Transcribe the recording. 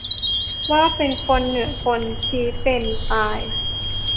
ว่าเป็นคน เหนือคน ชี้เป็น-ตาย